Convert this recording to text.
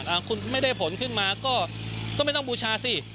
อ่าคุณไม่ได้ผลขึ้นมาก็ก็ไม่ต้องบูชาสิ